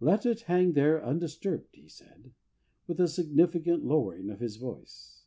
'Let it hang there undisturbed,' he said, with a significant lowering of his voice.